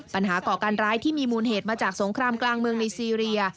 ก่อการร้ายที่มีมูลเหตุมาจากสงครามกลางเมืองในซีเรีย